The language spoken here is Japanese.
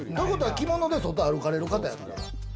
着物で外、歩かれる方やから。